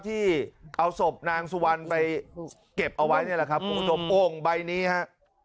ที่เอาศพนางสุวรรณไปเก็บเอาไว้นี่แหละครับคุณผู้ชมโอ่งใบนี้ฮะ